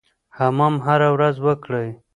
حمام هره ورځ وکړئ.